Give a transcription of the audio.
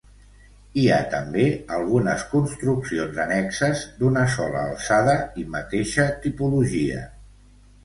Hi ha també, algunes construccions annexes d'una sola alçada i mateixa tipologia.